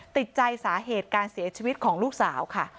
ติดใจสาเหตุการเสียชีวิตของลูกสาวค่ะ